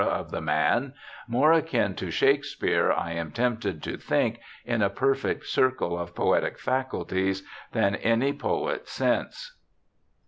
of the man ; more akin to Shakespeare, I am tempted to think, in a perfect circle of poetic faculties, than any poet since.'